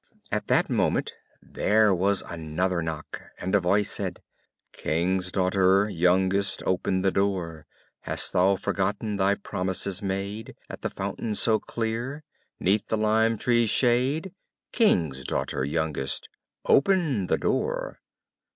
At that moment there was another knock, and a voice said, "King's daughter, youngest, Open the door. Hast thou forgotten Thy promises made At the fountain so clear 'Neath the lime tree's shade? King's daughter, youngest, Open the door."